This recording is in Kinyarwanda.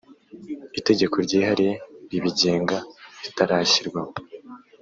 itegeko ryihariye ribigenga ritarashyirwaho